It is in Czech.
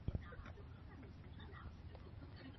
Je v průměru menší než zástupci jiných populací druhu.